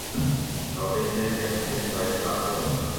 Alphington has two side platforms.